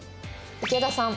池田さん。